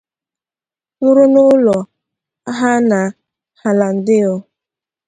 nwụrụ n’ụlọ ha na Hallandale